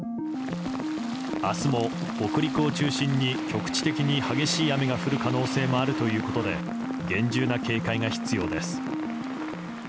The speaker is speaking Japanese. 明日も北陸を中心に局地的に激しい雨が降る可能性もあるということで厳重な警戒が必要です。